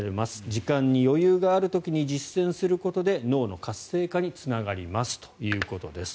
時間に余裕がある時に実践することで、脳の活性化につながりますということです。